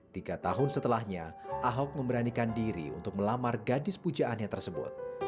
tiga tahun setelahnya ahok memberanikan diri untuk melamar gadis pujaannya tersebut